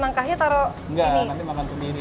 nangkahnya taruh sini nggak nanti makan sendiri